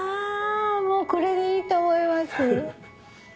もうこれでいいと思います。